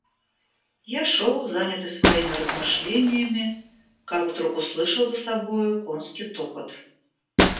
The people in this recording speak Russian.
Я шел, занятый своими размышлениями, как вдруг услышал за собою конский топот.